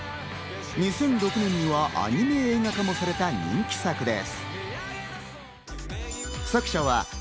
２００６年にはアニメ映画化もされた人気作です。